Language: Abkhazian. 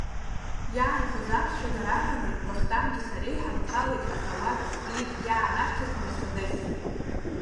Иаанхоз аԥсшәа нараҳәаны Вахтанги сареи ҳанҭалеит азауад Сплит иаанашьҭыз Мерседес.